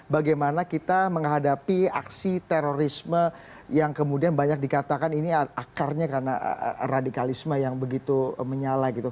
bagaimana kita menghadapi aksi terorisme yang kemudian banyak dikatakan ini akarnya karena radikalisme yang begitu menyala gitu